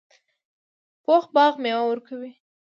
پوخ باغ میوه ورکوي